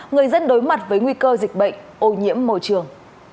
người dân đối mặt với nguy cơ dịch bệnh ô nhiễm môi trường